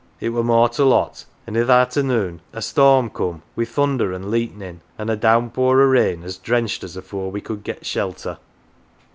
It were mortal hot, an' i' th' arternoon a storm coom, wi' thunder an' leetnin' an' a downpour o' rain as drenched us afore we could get shelter.